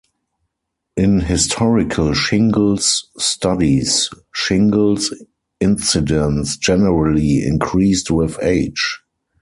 In historical shingles studies, shingles incidence generally increased with age.